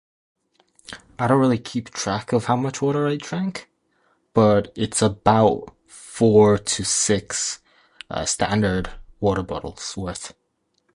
I don't really keep track of how much water I drink, but it's about four to six standard water bottles worth.